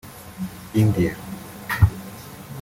India